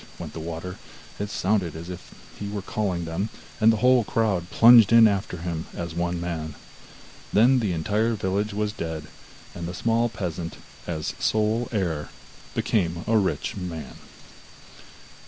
went the water; it sounded as if he were calling them, and the whole crowd plunged in after him as one man. Then the entire village was dead, and the small peasant, as sole heir, became a rich man.